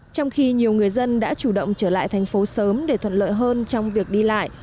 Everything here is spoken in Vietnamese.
trong khi nhiều người dân đã chủ động trở lại thành phố sớm để thuận lợi hơn trong việc đi lại